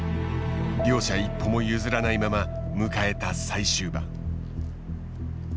両者一歩も譲らないまま迎えた最終盤。